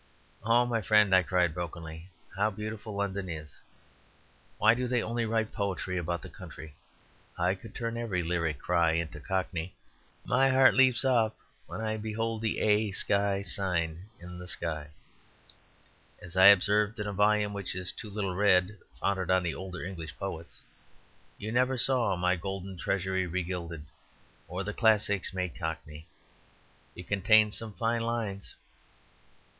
"Oh, my friend," I cried brokenly, "how beautiful London is! Why do they only write poetry about the country? I could turn every lyric cry into Cockney. "'My heart leaps up when I behold A sky sign in the sky,' "as I observed in a volume which is too little read, founded on the older English poets. You never saw my 'Golden Treasury Regilded; or, The Classics Made Cockney' it contained some fine lines.